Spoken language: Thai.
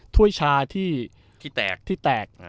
ถ้วยชาที่แตก